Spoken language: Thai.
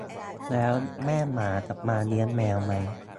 แล้วแม่หมาจะมาเลี้ยงแมวไหม